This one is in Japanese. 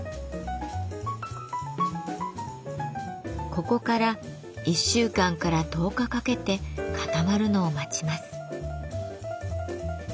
ここから１週間から１０日かけて固まるのを待ちます。